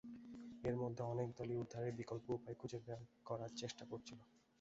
এর মধ্যে অনেক দলই উদ্ধারের বিকল্প উপায় খুঁজে বের করার চেষ্টা করছিল।